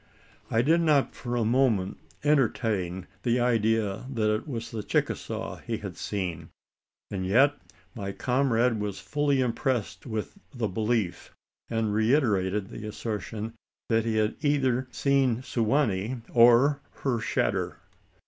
I did not for a moment entertain the idea that it was the Chicasaw he had seen; and yet my comrade was fully impressed with the belief, and reiterated the assertion that he had either seen Su wa nee or her "shadder."